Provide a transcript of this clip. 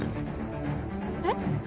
えっ？